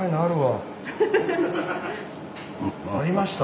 ありました。